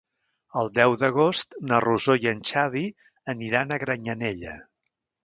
El deu d'agost na Rosó i en Xavi aniran a Granyanella.